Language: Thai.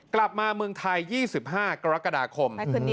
กลับมาเมืองไทย๒๕กรกฎาคม